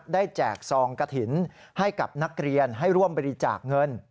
แจกซองกระถิ่นให้กับนักเรียนให้ร่วมบริจาคเงิน